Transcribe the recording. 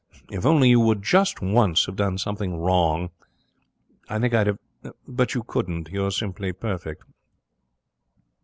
If only you would, just once, have done something wrong. I think I'd have But you couldn't. You're simply perfect.'